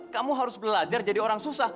kamu harus belajar jadi orang susah